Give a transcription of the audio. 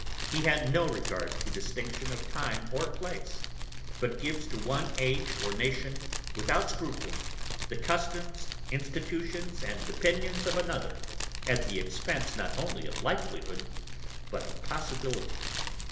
He had no regard to distinction of time or place, but gives to one age or nation, without scruple, the customs, institutions, and opinions of another, at the expence not only of likelihood, but of possibility.